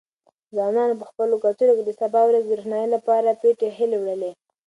ځوانانو په خپلو کڅوړو کې د سبا ورځې د روښنايي لپاره پټې هیلې وړلې.